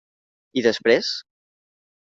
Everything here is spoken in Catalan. I després?